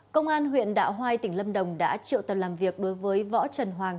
công an huyện đạo hoai tỉnh lâm đồng đã triệu tầm làm việc đối với võ trần hoàng